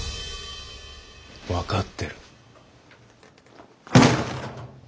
分かってる。